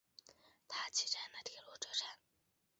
大崎站的铁路车站。